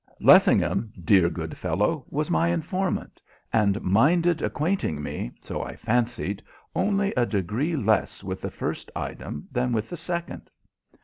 Lessingham, dear, good fellow, was my informant, and minded acquainting me, so I fancied, only a degree less with the first item than with the second.